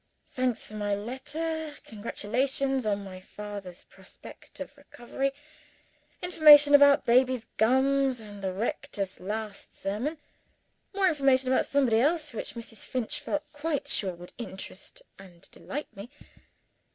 Thanks for my letter congratulations on my father's prospect of recovery information about baby's gums and the rector's last sermon more information about somebody else, which Mrs. Finch felt quite sure would interest and delight me.